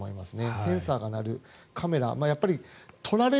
センサーが鳴る、カメラがある。